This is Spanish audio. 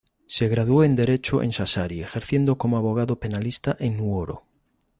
Se graduó en derecho en Sassari ejerciendo como abogado penalista en Nuoro.